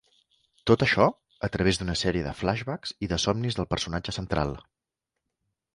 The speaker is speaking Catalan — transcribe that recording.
Tot això a través d'una sèrie de flashbacks i de somnis del personatge central.